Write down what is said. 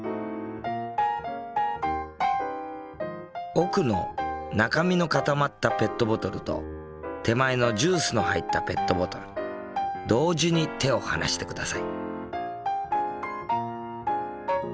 奥の中身の固まったペットボトルと手前のジュースの入ったペットボトル同時に手を離してください。